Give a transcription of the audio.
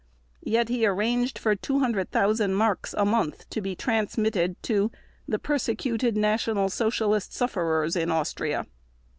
Yet he arranged for 200,000 marks a month to be transmitted to "the persecuted National Socialist sufferers in Austria".